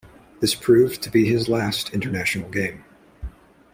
This proved to be his last international game.